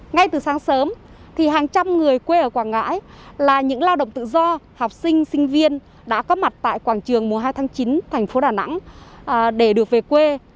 ngay từ sáng sớm hàng trăm người quê ở quảng ngãi là những lao động tự do học sinh sinh viên đã có mặt tại quảng trường mùa hai tháng chín thành phố đà nẵng để được về quê